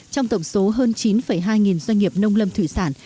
trong tổng số hơn chín hai nghìn doanh nghiệp nông lâm thủy sản